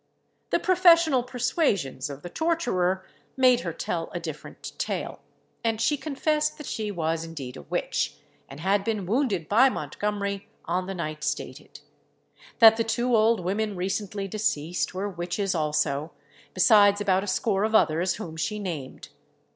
The professional persuasions of the torturer made her tell a different tale, and she confessed that she was indeed a witch, and had been wounded by Montgomery on the night stated; that the two old women recently deceased were witches also, besides about a score of others whom she named.